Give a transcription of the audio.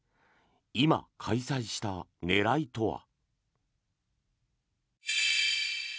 今、開催した狙いとは。